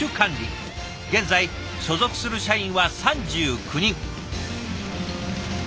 現在所属する社員は３９人。